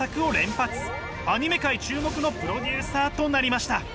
アニメ界注目のプロデューサーとなりました。